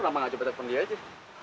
bro kenapa nggak coba telepon dia aja